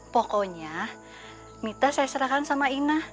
pokoknya mita saya serahkan sama ina